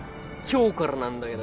今日からなんだけどよ。